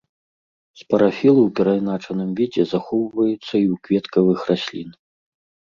Спарафілы ў перайначаным відзе захоўваюцца і ў кветкавых раслін.